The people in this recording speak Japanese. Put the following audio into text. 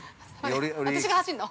私が走るの？